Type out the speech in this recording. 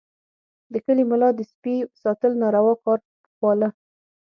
د کلي ملا د سپي ساتل ناروا کار باله.